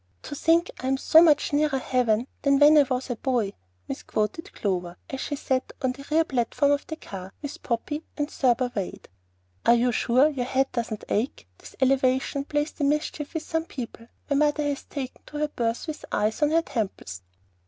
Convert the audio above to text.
"To think I'm so much nearer heaven Than when I was a boy," misquoted Clover, as she sat on the rear platform of the car, with Poppy, and Thurber Wade. "Are you sure your head doesn't ache? This elevation plays the mischief with some people. My mother has taken to her berth with ice on her temples."